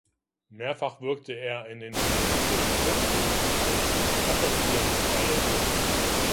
Mehrfach wirkte er in den humoristischen Kurzfilmen aus der "Stacheltier"-Reihe mit.